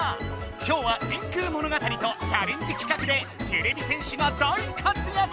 今日は電空物語とチャレンジ企画でてれび戦士が大活やく！